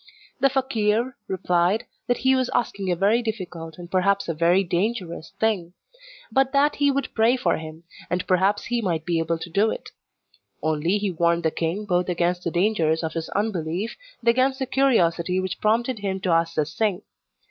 The fakeer replied that he was asking a very difficult, and perhaps a very dangerous, thing; but that he would pray for him, and perhaps he might be able to do it; only he warned the king both against the dangers of his unbelief, and against the curiosity which prompted him to ask this thing.